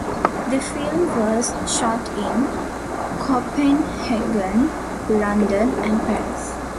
The film was shot in Copenhagen, London and Paris.